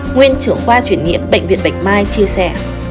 nguyên trưởng khoa chuyển nghiệm bệnh viện bạch mai chia sẻ